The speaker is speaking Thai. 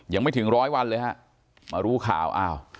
ยังไม่ถึงร้อยวันเลยฮะมารู้ข่าวอ้าว